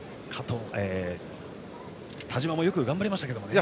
田嶋もよく頑張りましたけどね。